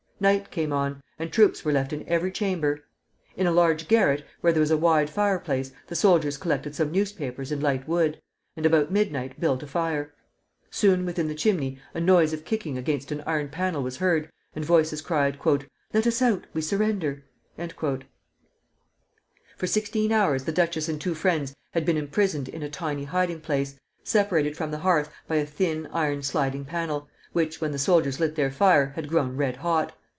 Night came on, and troops were left in every chamber. In a large garret, where there was a wide fireplace, the soldiers collected some newspapers and light wood, and about midnight built a fire. Soon within the chimney a noise of kicking against an iron panel was heard, and voices cried: "Let us out, we surrender!" For sixteen hours the duchess and two friends had been imprisoned in a tiny hiding place, separated from the hearth by a thin iron sliding panel, which, when the soldiers lit their fire, had grown red hot.